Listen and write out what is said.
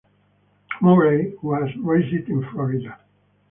Murray was raised in Florida.